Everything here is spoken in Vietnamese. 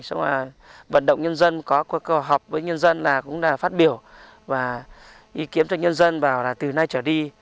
xong rồi vận động nhân dân có câu học với nhân dân là cũng đã phát biểu và ý kiếm cho nhân dân vào là từ nay trở đi